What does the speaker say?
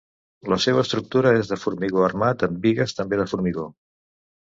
La seua estructura és de formigó armat amb bigues també de formigó.